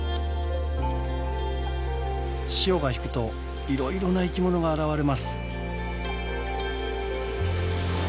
潮が引くといろいろな生き物が現れます。